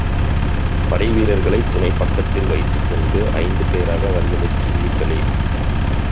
படைவீரர்களைத் துணை பக்கத்தில் வைத்துக்கொண்டு ஐந்து பேறாக வந்துநிற்கிறீர்களே!